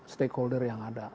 stakeholder yang ada